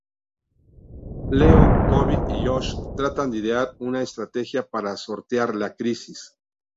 Leo, Toby y Josh tratan de idear una estrategia para sortear la crisis.